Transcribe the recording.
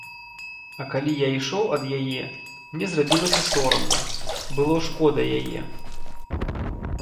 А калі я ішоў ад яе, мне зрабілася сорамна, было шкода яе.